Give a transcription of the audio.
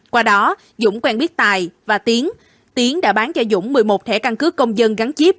qua đó dũng quen biết tài và tiến tiến đã bán cho dũng một mươi một thẻ căn cứ công dân gắn chip